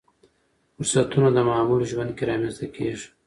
فرصتونه د معمول ژوند کې رامنځته کېږي.